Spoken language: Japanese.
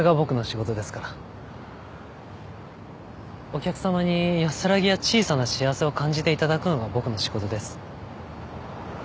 お客様に安らぎや小さな幸せを感じていただくのが僕の仕事です。